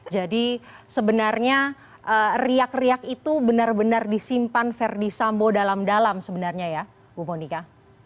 jadi sebenarnya riak riak itu benar benar disimpan ferdi sambo dalam dalam sebenarnya ya bu monika